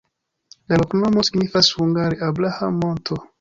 La loknomo signifas hungare: Abraham-monto.